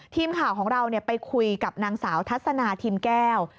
ทีมข่าวของเราไปคุยกับนางสาวทัศนาทิมแก้ว